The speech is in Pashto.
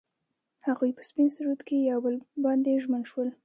هغوی په سپین سرود کې پر بل باندې ژمن شول.